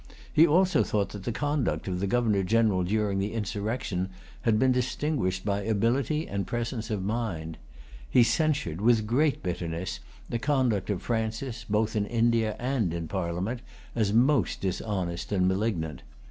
He also thought that the conduct of the Governor General during the insurrection had been distinguished by ability and presence of mind. He censured, with great bitterness, the conduct of Francis, both in India and in Parliament, as most dishonest and malignant.